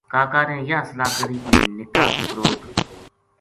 کاکا نے یاہ صلاح کری کہ نِکا بکروٹ